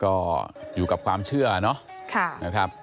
ก็อยู่กับความเชื่อเนาะ